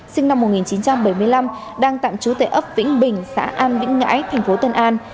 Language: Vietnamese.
sinh năm một nghìn chín trăm bảy mươi năm đang tạm trú tại ấp vĩnh bình xã an vĩnh ngãi thành phố tân an